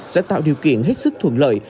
sẽ tạo điều kiện hết sức thuận lợi